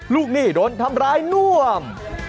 หนี้โดนทำร้ายน่วม